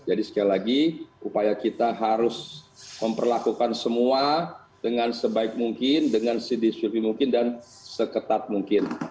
jadi sekali lagi upaya kita harus memperlakukan semua dengan sebaik mungkin dengan sedisipi mungkin dan seketat mungkin